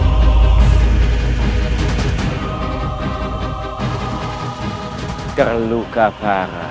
dan dia juga terluka parah